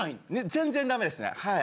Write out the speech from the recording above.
全然ダメですねはい。